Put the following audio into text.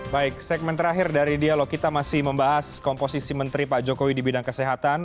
baik segmen terakhir dari dialog kita masih membahas komposisi menteri pak jokowi di bidang kesehatan